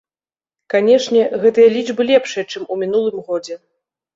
Канешне, гэтыя лічбы лепшыя, чым ў мінулым годзе.